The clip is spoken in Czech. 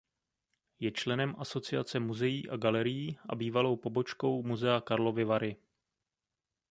Je členem Asociace muzeí a galerií a bývalou pobočkou Muzea Karlovy Vary.